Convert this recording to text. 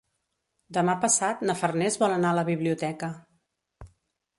Demà passat na Farners vol anar a la biblioteca.